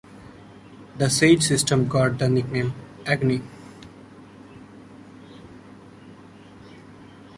The Sage system got the nickname "Agony".